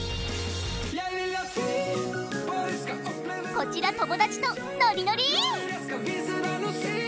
こちら友達とノリノリーッ！